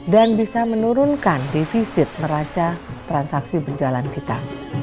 dan bisa menurunkan defisit meraca transaksi berjalan kita